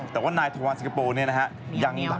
ถ้ัวนายทะวัลสิงคาโปร์เนี่ยนะฮะยังเหลักทางเอาไว้ได้ก่อน